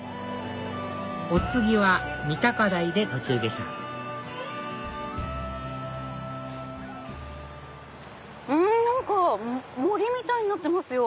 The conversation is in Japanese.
お次は三鷹台で途中下車何か森みたいになってますよ。